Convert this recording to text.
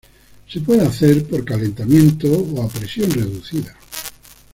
Se puede hacer por calentamiento o a presión reducida.